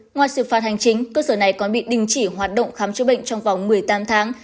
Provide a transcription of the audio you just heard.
ngoài xử phạt hành chính cơ sở này còn bị đình chỉ hoạt động khám chữa bệnh trong vòng một mươi tám tháng